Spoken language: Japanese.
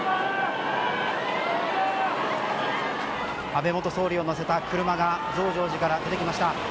安倍元総理を乗せた車が増上寺から出てきました。